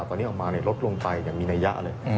ตอนนี้ออกมาลดลงไปอย่างมีนัยยะเลย